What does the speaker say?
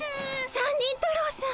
三人太郎さん。